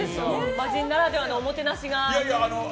魔人ならではのおもてなしが。